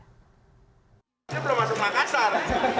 dia belum masuk makassar